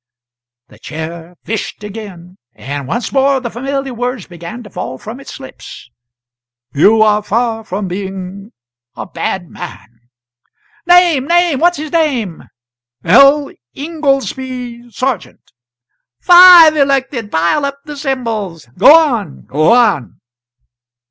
The Chair fished again, and once more the familiar words began to fall from its lips "'You are far from being a bad man '" "Name! name! What's his name?" "'L. Ingoldsby Sargent.'" "Five elected! Pile up the Symbols! Go on, go on!"